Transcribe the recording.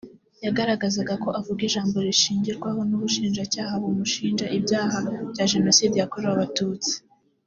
yagaragazaga ko avuga ijambo rishingirwaho n’Ubushinjacyaha bumushinja ibyaha bya Jenoside yakorewe Abatutsi